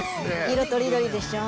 色とりどりでしょう。